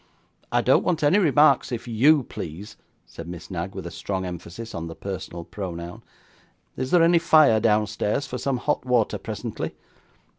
'I don't want any remarks if YOU please,' said Miss Knag, with a strong emphasis on the personal pronoun. 'Is there any fire downstairs for some hot water presently?